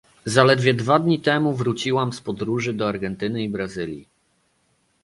Zaledwie dwa dni temu wróciłam z podróży do Argentyny i Brazylii